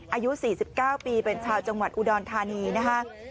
อายุ๔๙ปีเป็นชาวจังหวัดอุดรธานีนะคะ